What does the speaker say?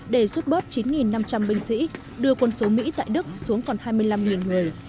để rút bớt chín năm trăm linh binh sĩ đưa quân số mỹ tại đức xuống còn hai mươi năm người